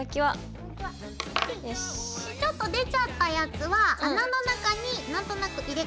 ちょっと出ちゃったやつは穴の中に何となく入れ込みます。